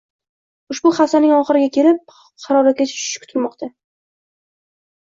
Ushbu haftaning oxiriga kelib haroratgacha tushishi kutilmoqda.